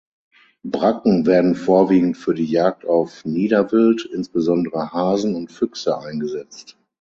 Bracken werden vorwiegend für die Jagd auf Niederwild, insbesondere Hasen und Füchse eingesetzt.